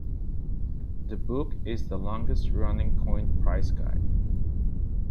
The book is the longest running coin price guide.